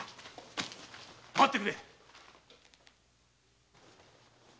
待ってくれ！